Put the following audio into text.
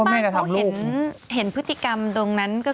คุณหนุ่มกัญชัยได้เล่าใหญ่ใจความไปสักส่วนใหญ่แล้ว